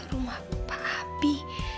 rumah pak abi